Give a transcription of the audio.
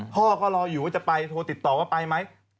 พ่อก็รออยู่ว่าจะไปโทรติดต่อว่าไปไหม